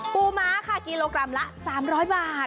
ม้าค่ะกิโลกรัมละ๓๐๐บาท